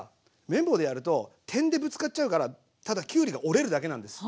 麺棒でやると点でぶつかっちゃうからただきゅうりが折れるだけなんです。